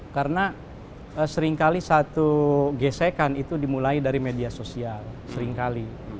karena seringkali satu gesekan itu dimulai dari media sosial seringkali